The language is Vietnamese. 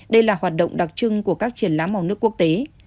đây là hoạt động đặc trưng của các triển lãm màu nước quốc tế